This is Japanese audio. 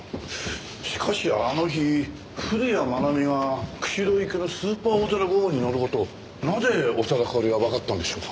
しかしあの日古谷愛美が釧路行きのスーパーおおぞら５号に乗る事をなぜ長田かおりはわかったんでしょうか。